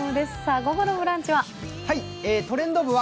午後の「ブランチ」は？